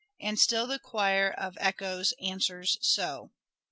And still the choir of echoes answers ' So.'